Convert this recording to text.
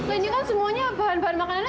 ini kan semuanya bahan bahan makanannya